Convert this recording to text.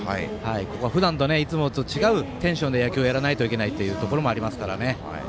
ここはふだんと違うテンションで野球をやらないといけないというところもありますからね。